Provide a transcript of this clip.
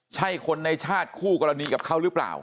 ใช่คนในชาติคู่กรณีกับเขาหรือเปล่า